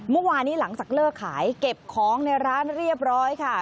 เมื่อวานนี้หลังจากเลิกขายเก็บของในร้านเรียบร้อยค่ะ